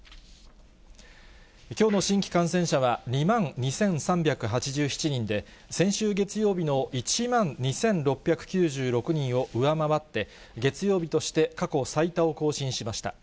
きょうの新規感染者は２万２３８７人で、先週月曜日の１万２６９６人を上回って、月曜日として過去最多を更新しました。